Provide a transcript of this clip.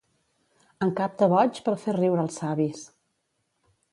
En cap de boigs per fer riure els savis.